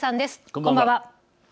こんばんは。